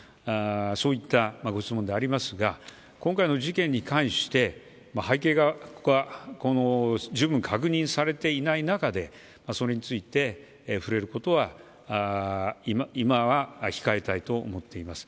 そういったご質問でありますが今回の事件に関して背景は十分確認されていない中でそれについて触れることは今は控えたいと思っています。